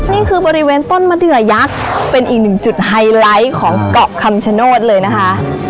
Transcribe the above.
นี่คือบริเวณต้นมะเดือยักษ์เป็นอีกหนึ่งจุดไฮไลท์ของเกาะคำชโนธเลยนะคะ